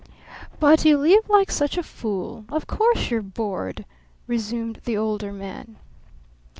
"But you live like such a fool of course you're bored," resumed the Older Man.